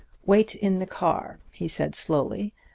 'Wait in the car,' he said slowly.